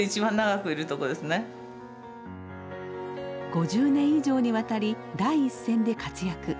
５０年以上にわたり第一線で活躍。